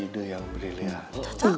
ide yang briliant